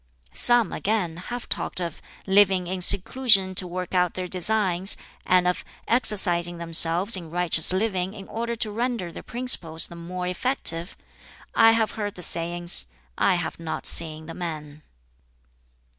"Some, again, have talked of 'living in seclusion to work out their designs,' and of 'exercising themselves in righteous living in order to render their principles the more effective'; I have heard the sayings, I have not seen the men."